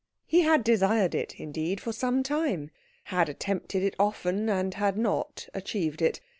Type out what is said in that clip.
He had desired it, indeed, for some time, had attempted it often, and had not achieved it.